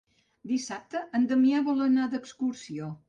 Dissabte en Damià vol anar d'excursió.